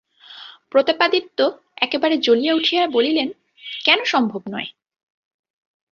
প্রতাপাদিত্য একেবারে জ্বলিয়া উঠিয়া বলিলেন, কেন সম্ভব নয়?